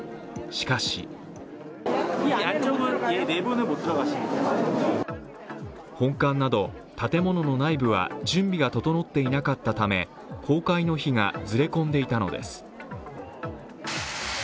しかし本館など、建物の内部は準備が整っていなかったため公開の日がずれ込んでいたのです。